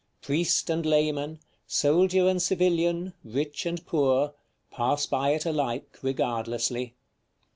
Priest and layman, soldier and civilian, rich and poor, pass by it alike regardlessly.